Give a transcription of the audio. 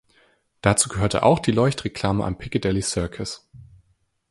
Dazu gehörte auch die Leuchtreklame am Piccadilly Circus.